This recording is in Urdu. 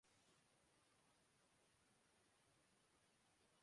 قائداعظم محمد علی جناح ہندو مسلم اتحاد کے حامی تھے